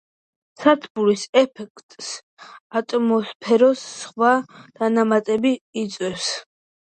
სათბურის ეფექტს ატმოსფეროს სხვა დანამატები იწვევს.